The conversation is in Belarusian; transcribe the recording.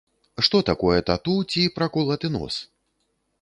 Што такое тату ці праколаты нос?